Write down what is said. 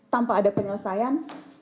tanpa ada penyelesaian